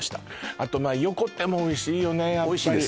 あと横手もおいしいよね